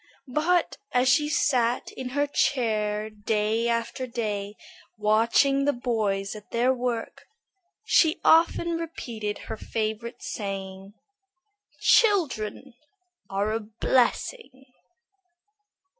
But as she sat in her chair day after day watching the boys at their work, she often repeated her favorite saying, "Children are a blessing."